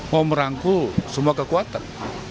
mau merangkul semua kekuatan